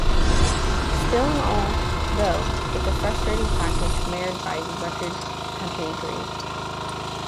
Still and all, though, it's a frustrating package marred by record company greed.